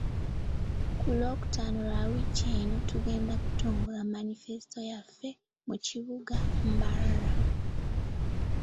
Ku Lwokutaano lwa wiiki eno, tugenda kutongoza manifesito yaffe mu kibuga Mbarara.